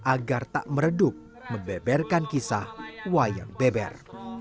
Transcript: agar tak meredup membeberkan kisah wayang beber